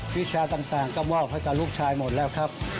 วิชาต่างก็มอบให้กับลูกชายหมดแล้วครับ